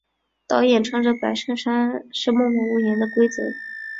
导演穿着白衬衫是默默无言的规则。